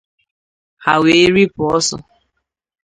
ha wee ripù ọsọ